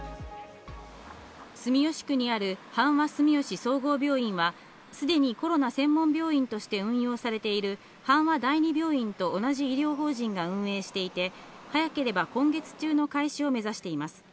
住吉区にある阪和住吉総合病院はすでにコロナ専門病院として運用されている阪和第二病院と同じ医療法人が運営していて、早ければ今月中の開始を目指しています。